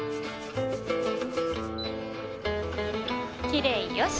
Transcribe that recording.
きれいよし！